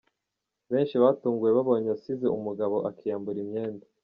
Benshi batunguwe babonye asize umugabo akiyambura imyenda.